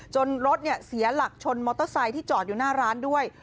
รถเสียหลักชนมอเตอร์ไซค์ที่จอดอยู่หน้าร้านด้วย